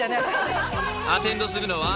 ［アテンドするのは］